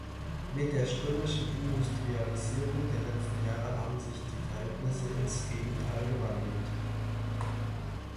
Mit der stürmischen Industrialisierung der letzten Jahre haben sich die Verhältnisse ins Gegenteil gewandelt.